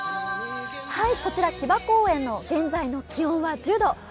こちら木場公園の現在の気温は１０度。